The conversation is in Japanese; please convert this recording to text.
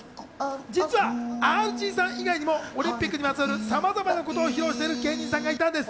実はＲＧさん以外にもオリンピックにまつわるさまざまなことを披露している芸人さんがいたんです。